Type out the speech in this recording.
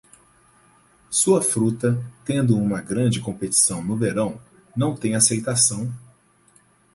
Sua fruta, tendo uma grande competição no verão, não tem aceitação.